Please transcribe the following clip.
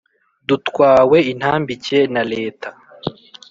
Dutwawe intambike na leta